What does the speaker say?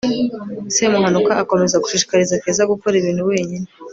semuhanuka akomeza gushishikariza keza gukora ibintu wenyine